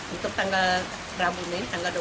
untuk tanggal rabu ini tanggal dua puluh empat